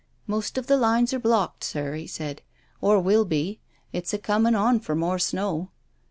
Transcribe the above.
•' Most of the lines are blocked, sir," he said, " or will be. It's a coming on for more snow."